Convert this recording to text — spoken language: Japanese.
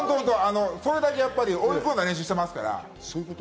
それだけ追い込んだ練習をしてますから。